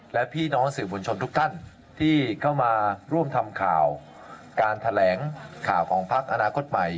และพี่น้องสื่อมวลชนทุกท่านที่เข้ามาร่วมทำข่าวการแถลงข่าวของพักอนาคตใหม่